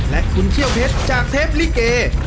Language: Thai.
และคุณเขี้ยวเพชรจากเทปลิเก